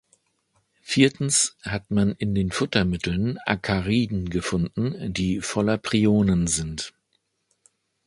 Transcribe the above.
Viertens hat man in Futtermitteln Akariden gefunden, die voller Prionen sind.